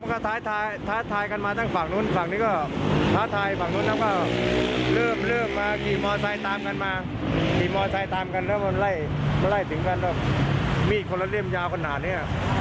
เขาไล่ถึงแม่นก็มีดคอลราเลี่ยมยาวขนาดนี้ค่ะ